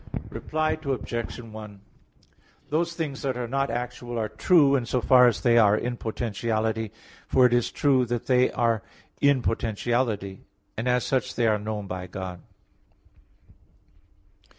Reply Obj. 1: Those things that are not actual are true in so far as they are in potentiality; for it is true that they are in potentiality; and as such they are known by God.